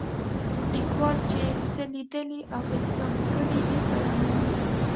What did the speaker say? لیکوال چې څه لیدلي او احساس کړي وي بیانوي.